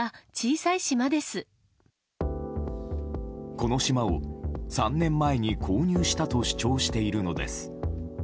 この島を３年前に購入したと主張しているのです。